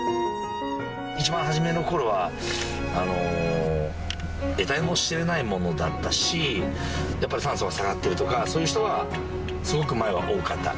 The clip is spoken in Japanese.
一番初めのころは、えたいも知れないものだったし、やっぱり酸素が下がってるとか、そういう人がすごく前は多かった。